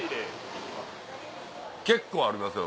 結構ありますよ